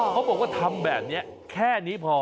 เขาบอกว่าทำแบบนี้แค่นี้พอ